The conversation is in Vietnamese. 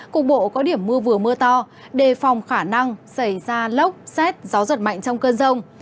cục bộ có điểm mưa vừa mưa to đề phòng khả năng xảy ra lốc xét gió giật mạnh trong cơn rông